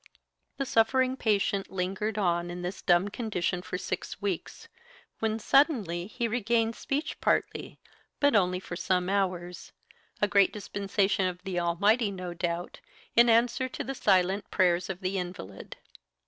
The suffering patient lingered on in this dumb condition for six weeks, when suddenly he regained speech partly, but only for some hours a great dispensation of the Almighty, no doubt, in answer to the silent prayers of the invalid.